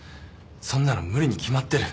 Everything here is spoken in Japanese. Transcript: そんなの無理に決まってる。